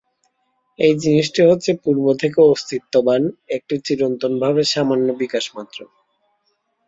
এই জিনিষটি হচ্ছে পূর্ব থেকে অস্তিত্ববান একটি চিরন্তন ভাবের সামান্য বিকাশমাত্র।